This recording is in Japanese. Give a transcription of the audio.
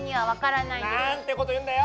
なんてこと言うんだよ！